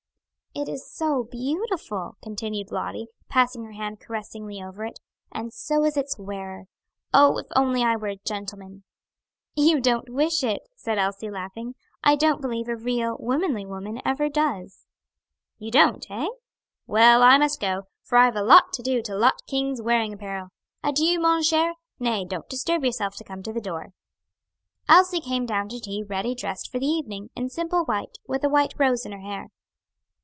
"It is so beautiful!" continued Lottie, passing her hand caressingly over it; "and so is its wearer. Oh, if I were only a gentleman!" "You don't wish it," said Elsie, laughing. "I don't believe a real, womanly woman ever does." "You don't, hey? Well, I must go; for I've a lot to do to Lot King's wearing apparel. Adieu, mon cher. Nay, don't disturb yourself to come to the door." Elsie came down to tea ready dressed for the evening, in simple white, with a white rose in her hair.